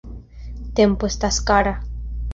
Tempo estas kara.